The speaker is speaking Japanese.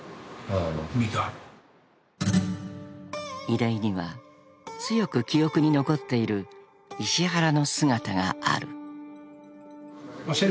［出井には強く記憶に残っている石原の姿がある］